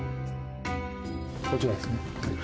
こちらですね。